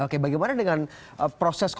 oke bagaimana dengan proses